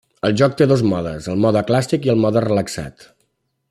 El joc té dos modes, el mode clàssic i el mode relaxat.